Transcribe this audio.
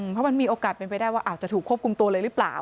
เพราะมันมีโอกาสเป็นไปได้ว่าอาจจะถูกควบคุมตัวเลยหรือเปล่า